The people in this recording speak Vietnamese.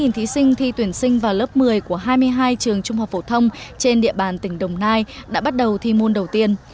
ba mươi thí sinh thi tuyển sinh vào lớp một mươi của hai mươi hai trường trung học phổ thông trên địa bàn tỉnh đồng nai đã bắt đầu thi môn đầu tiên